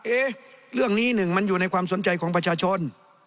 เอ๊ะเรื่องนี้หนึ่งมันอยู่ในความสนใจของประชาชน